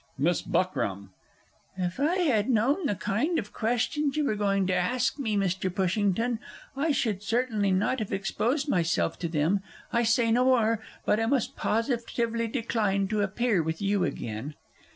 MISS BUCKRAM. If I had known the kind of questions you were going to ask me, Mr. Pushington, I should certainly not have exposed myself to them. I say no more, but I must positively decline to appear with you again.